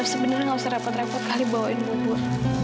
tapi sebenarnya gak usah repot repot kali bawain bubur